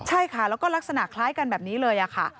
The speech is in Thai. ใช่ค่ะแล้วก็ลักษณะคล้ายกันแบบนี้เลยค่ะ